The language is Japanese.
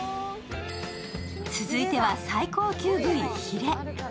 続いては最高級部位・ヒレ。